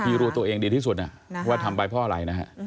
รู้ตัวเองดีที่สุดว่าทำไปเพราะอะไรนะฮะ